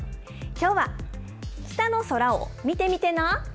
きょうは北の空を見てみてな。